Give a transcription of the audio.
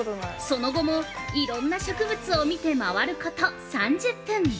◆その後も、いろんな植物を見て回ること３０分。